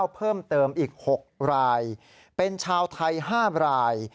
เพิ่มเติมอีก๖รายเป็นชาวไทย๕ราย